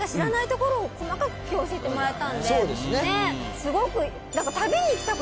すごく。